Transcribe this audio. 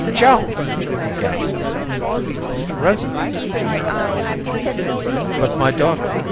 "Joan!" he gasped. "Present!" she replied. "But, my daughter!"